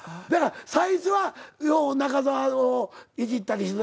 最初はよう中澤をいじったりしてたから。